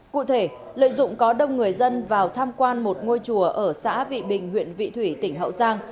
cụ thể lợi dụng có đông người dân vào tham quan một ngôi chùa ở xã vị bình huyện vị thủy tỉnh hậu giang